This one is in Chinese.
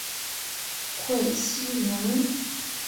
讳熙仁。